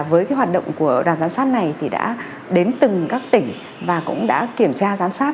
với hoạt động của đoàn giám sát này thì đã đến từng các tỉnh và cũng đã kiểm tra giám sát